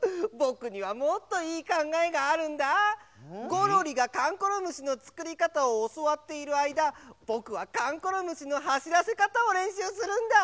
ゴロリがこんころむしのつくりかたをおそわっているあいだぼくはかんころむしのはしらせかたをれんしゅうするんだ！